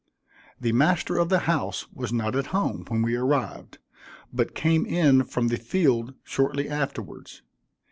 The master of the house was not at home when we arrived, but came in from the field shortly afterwards.